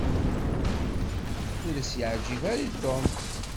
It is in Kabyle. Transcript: Ur as-yeɛǧib ara i Tom.